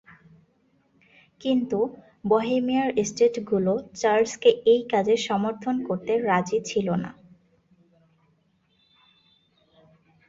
কিন্তু, বহেমিয়ার এস্টেটগুলো চার্লসকে এই কাজে সমর্থন করতে রাজি ছিল না।